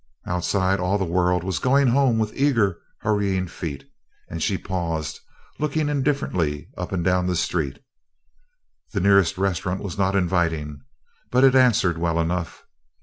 Outside all the world was going home with eager, hurrying feet and she paused, looking indifferently up and down the street. The nearest restaurant was not inviting, but it answered well enough.